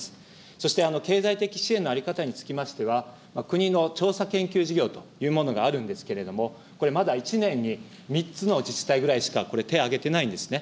そして経済的支援の在り方につきましては、国の調査研究事業というものがあるんですけれども、これまだ１年に３つの自治体ぐらいしか、これ、手挙げてないんですね。